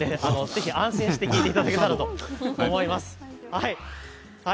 安心して聞いていただければと思います。